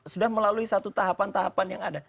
sudah melalui satu tahapan tahapan yang ada